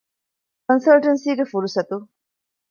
ކޮންސަލްޓަންސީގެ ފުރުސަތު